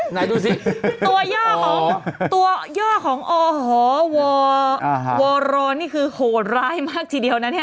ไหนดูสิตัวย่อของตัวย่อของอหวรนี่คือโหดร้ายมากทีเดียวนะเนี่ย